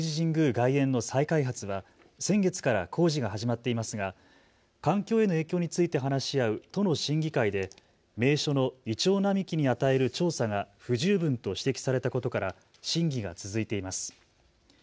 外苑の再開発は先月から工事が始まっていますが環境への影響について話し合う都の審議会で名所のイチョウ並木に与える調査が不十分と指摘されたことから審議が続いています。